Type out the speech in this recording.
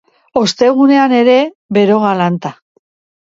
Ostegunean ere, bero galanta.